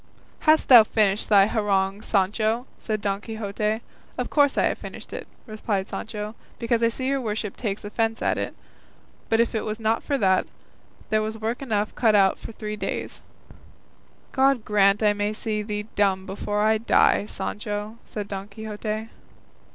"Hast thou finished thy harangue, Sancho?" said Don Quixote. "Of course I have finished it," replied Sancho, "because I see your worship takes offence at it; but if it was not for that, there was work enough cut out for three days." "God grant I may see thee dumb before I die, Sancho," said Don Quixote.